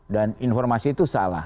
dan informasi itu salah